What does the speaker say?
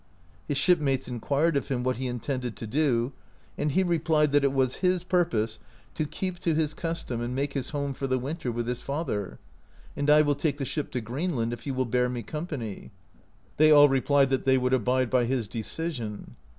His shipmates enquired of him what he intended to do, and he replied that it was his purpose to keep to his 77 AMERICA DISCOVERED BY NORSEMEN custom, and make his home for the winter with his father ; "and I will take the ship to Greenland, if you will bear me company." They all replied that they would abide by his decision.